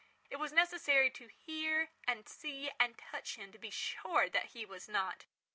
It was necessary to hear and see and touch him to be sure that he was not.